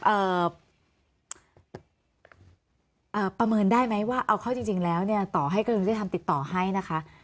เอ่อประเมินได้ไหมว่าเอาเข้าจริงจริงแล้วเนี่ยต่อให้กระทรวงยุติธรรมติดต่อให้นะคะ